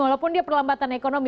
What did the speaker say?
walaupun dia perlambatan ekonomi